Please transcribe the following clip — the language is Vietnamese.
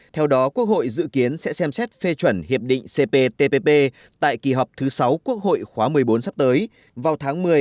theo đó quốc hội dự kiến sẽ xem xét phê chuẩn hiệp định cptpp tại kỳ họp thứ sáu quốc hội khóa một mươi bốn sắp tới vào tháng một mươi một mươi một hai nghìn một mươi tám